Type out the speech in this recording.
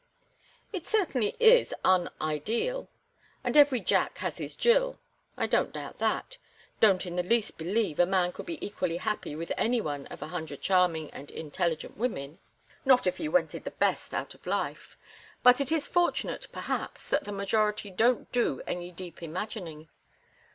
"It certainly is unideal. And every Jack has his Jill. I don't doubt that—don't in the least believe a man could be equally happy with any one of a hundred charming and intelligent women—not if he wanted the best out of life. But it is fortunate, perhaps, that the majority don't do any deep imagining.